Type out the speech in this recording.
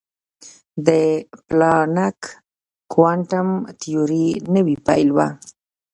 د پلانک کوانټم تیوري نوې پیل وه.